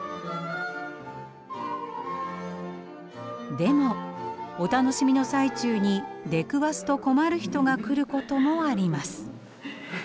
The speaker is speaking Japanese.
でもお楽しみの最中に出くわすと困る人が来ることもあります。